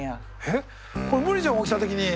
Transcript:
えっこれ無理じゃん大きさ的に。